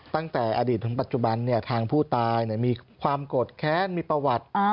ตั้งแต่อดีตถึงปัจจุบันทางผู้ตายมีความโกรธแค้นมีประวัติ